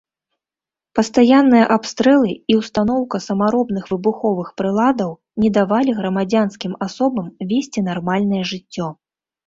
Пастаянныя абстрэлы і ўстаноўка самаробных выбуховых прыладаў не давалі грамадзянскім асобам весці нармальнае жыццё.